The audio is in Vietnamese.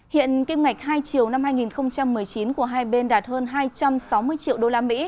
hiện kim ngạch hai triệu năm hai nghìn một mươi chín của hai bên đạt hơn hai trăm sáu mươi triệu usd